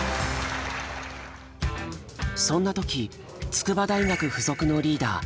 そんな時筑波大学附属のリーダー